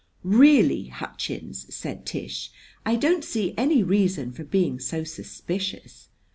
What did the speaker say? "Really, Hutchins," said Tish, "I don't see any reason for being so suspicious.